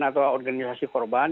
atau organisasi korban